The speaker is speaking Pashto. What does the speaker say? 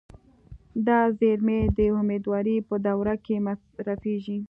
دا زیرمې د امیدوارۍ په دوره کې مصرفېږي.